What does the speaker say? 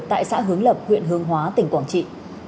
tại xã hướng lập huyện hương hóa tỉnh quảng trị